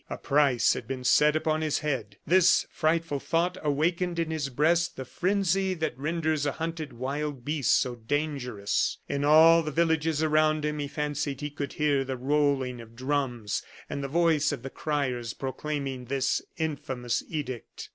A price had been set upon his head. This frightful thought awakened in his breast the frenzy that renders a hunted wild beast so dangerous. In all the villages around him he fancied he could hear the rolling of drums, and the voice of the criers proclaiming this infamous edict.